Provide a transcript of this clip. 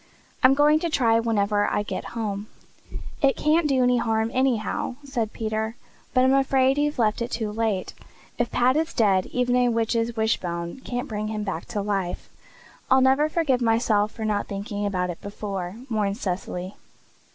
I'm going to try whenever I get home." "It can't do any harm, anyhow," said Peter, "but I'm afraid you've left it too late. If Pat is dead even a witch's wishbone can't bring him back to life." "I'll never forgive myself for not thinking about it before," mourned Cecily.